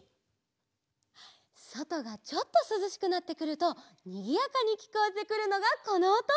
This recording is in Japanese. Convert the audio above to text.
そとがちょっとすずしくなってくるとにぎやかにきこえてくるのがこのおと。